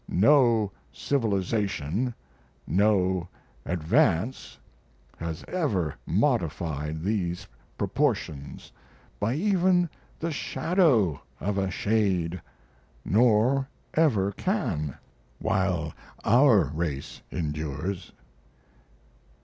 No "civilization," no "advance," has ever modified these proportions by even the shadow of a shade, nor ever can, while our race endures.